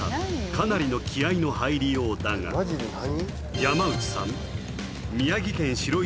かなりの気合いの入りようだがマジで何？